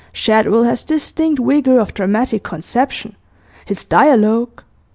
Shadwell has distinct vigour of dramatic conception; his dialogue....